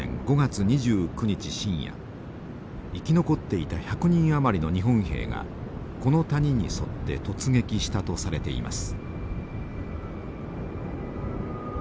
深夜生き残っていた１００人余りの日本兵がこの谷に沿って突撃したとされています。